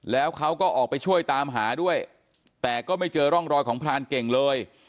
แล้วเขาก็ออกไปช่วยตามหาด้วยแต่ก็ไม่เจอร่องรอยของพรานเก่งเลย